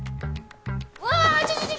うわちょちょちょ。